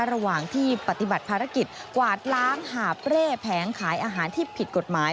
ระหว่างที่ปฏิบัติภารกิจกวาดล้างหาบเร่แผงขายอาหารที่ผิดกฎหมาย